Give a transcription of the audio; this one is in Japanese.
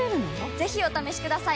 ぜひお試しください！